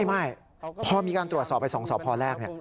ไม่พอมีการตรวจสอบไป๒สพแรก